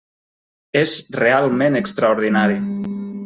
És realment extraordinari.